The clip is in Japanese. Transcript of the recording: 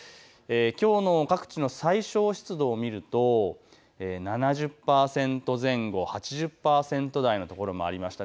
きょうの各地の最小湿度を見ると７０％前後、８０％台の所もありました。